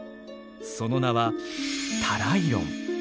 その名はタライロン。